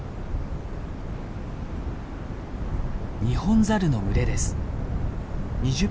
ニホンザルの群れです。